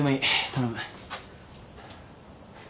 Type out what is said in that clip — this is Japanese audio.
頼む。